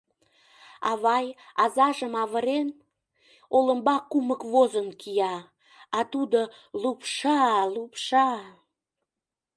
Авай, азажым авырен, олымбак кумык возын кия, а тудо лупша-лупша...